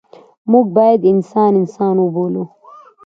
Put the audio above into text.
موږ باید انسان انسان وبولو.